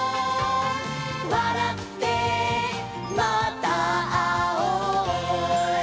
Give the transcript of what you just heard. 「わらってまたあおう」